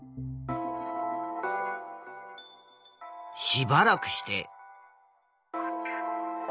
しばらくして。